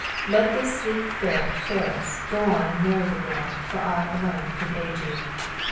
Let this sleek ferret Ferris, go on and marry the girl, for I, alone, can aid you.